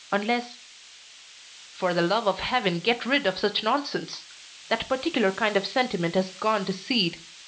Unless " "For the love of Heaven, get rid of such nonsense! That particular kind of sentiment has gone to seed.